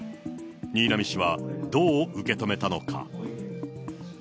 新浪氏は、どう受け止めたのか。